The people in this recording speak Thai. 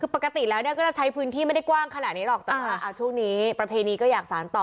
คือปกติแล้วก็จะใช้พื้นที่ไม่ได้กว้างขนาดนี้หรอกแต่ว่าช่วงนี้ประเพณีก็อยากสารต่อ